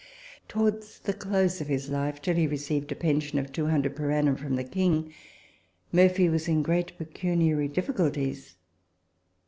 Towards the close of his life, till he received a pension of 200 per annum from the king,* Murphy was in great pecuniary difficulties.